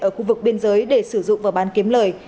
ở khu vực biên giới để sử dụng và bán kiếm lời